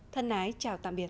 thân ái chào tạm biệt